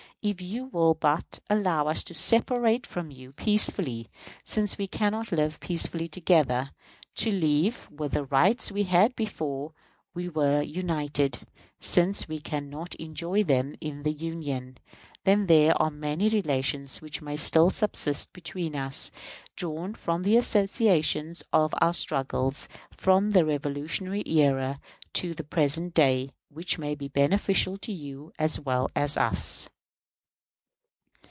If you will but allow us to separate from you peaceably, since we can not live peaceably together, to leave with the rights we had before we were united, since we can not enjoy them in the Union, then there are many relations which may still subsist between us, drawn from the associations of our struggles from the Revolutionary era to the present day, which may be beneficial to you as well as to us.